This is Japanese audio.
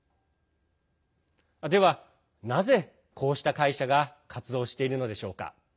では、なぜ、こうした会社が活動しているのでしょうか。